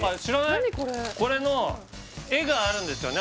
何これこれの絵があるんですよね